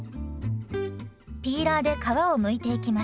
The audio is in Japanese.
ピーラーで皮をむいていきます。